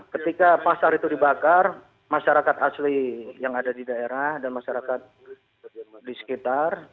ketika pasar itu dibakar masyarakat asli yang ada di daerah dan masyarakat di sekitar